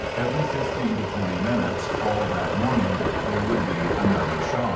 Every 15 to 20 minutes all that morning there would be another shock.